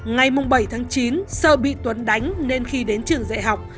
ngày bảy tháng chín sợ bị tuấn đánh nên khi đến trường dạy học